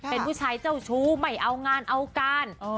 เป็นผู้ชายเจ้าชู้ไม่เอางานเอาการ